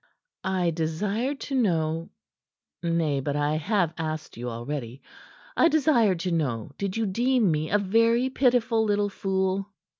"I desired to know Nay, but I have asked you already. I desired to know did you deem me a very pitiful little fool?"